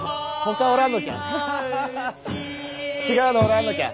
違うのおらんのきゃ？